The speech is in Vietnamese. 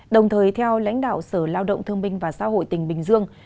đồng thời theo lãnh đạo sở lao động thương binh và xã hội tỉnh bình dương